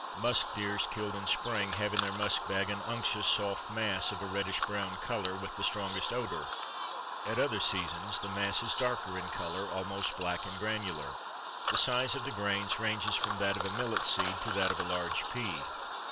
Musk deers killed in spring have in their musk bag an unctuous soft mass of a reddish brown color with the strongest odor; at other seasons the mass is darker in color, almost black, and granular; the size of the grains ranges from that of a millet seed to that of a large pea.